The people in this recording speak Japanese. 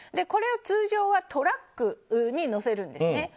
これを通常はトラックに載せるんですね。